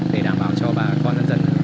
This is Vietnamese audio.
để đảm bảo cho bà con dân dân